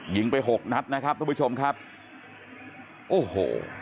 ยิงไปหกนัดนะครับทุกผู้ชมครับโอ้โห